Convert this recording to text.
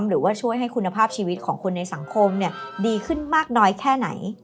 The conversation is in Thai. หรือว่าช่วยให้คุณภาพชีวิตของคนในสังคมดีขึ้นมากน้อยแค่ไหน